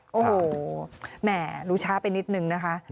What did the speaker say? โอ้โหแหม่รู้ช้าไปนิดนึงนะคะ